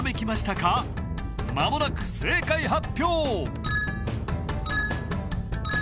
まもなく正解発表